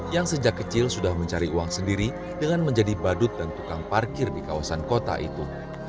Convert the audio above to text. yang sejak kecil sudah mencari uang sendiri dengan menjadi badut dan tukang parkir di kawasan kota itu